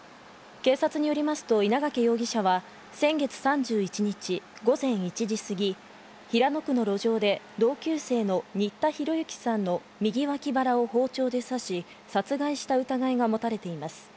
警察によりますと稲掛容疑者は先月３１日、午前１時過ぎ、平野区の路上で同級生の新田浩之さんの右わき腹を包丁で刺し、殺害した疑いが持たれています。